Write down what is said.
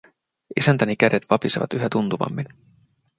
Isäntäni kädet vapisevat yhä tuntuvammin.